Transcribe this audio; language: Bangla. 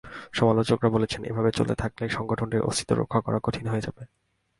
সমালোচকেরা বলছেন, এভাবে চলতে থাকলে সংগঠনটির অস্তিত্ব রক্ষা করা কঠিন হয়ে যাবে।